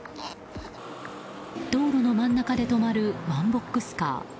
道路の真ん中で止まるワンボックスカー。